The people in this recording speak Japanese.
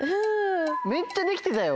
めっちゃできてたよ。